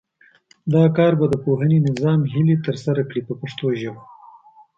دا کار به د پوهنې نظام هیلې ترسره کړي په پښتو ژبه.